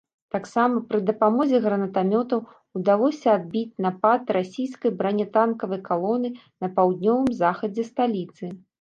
Таксама пры дапамозе гранатамётаў удалося адбіць напад расійскай бранятанкавай калоны на паўднёвым захадзе сталіцы.